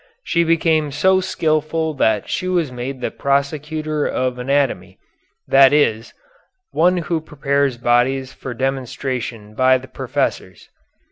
She became so skilful that she was made the prosector of anatomy, that is, one who prepares bodies for demonstration by the professors.